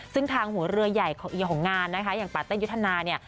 ซึ่งทางหัวเรือใหญ่ของเอียของงานนะคะอย่างปาเต้นยุทธนาเนี่ย